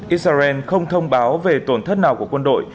israel không thông báo về tổn thất nào của quân đội